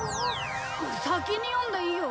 先に読んでいいよ。